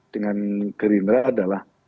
dengan gerindra adalah